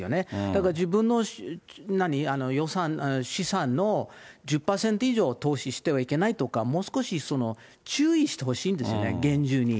だから自分の資産の１０％以上投資してはいけないとか、もう少し注意してほしいんですよね、厳重に。